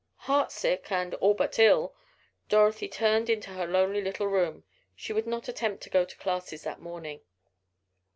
Heart sick, and all but ill, Dorothy turned into her lonely little room. She would not attempt to go to classes that morning.